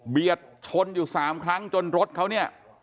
เบียดชนอยู่สามครั้งจนรถเขาเนี่ย